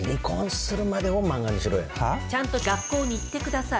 ちゃんと学校に行ってください。